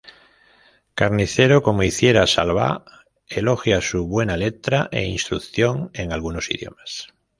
Carnicero, como hiciera Salvá, elogia su "buena letra e instrucción en algunos idiomas".